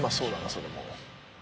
それも。